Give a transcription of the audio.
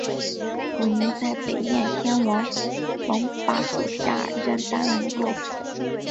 古泥在北燕天王冯跋属下任单于右辅。